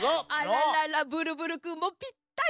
あらららブルブルくんもぴったり！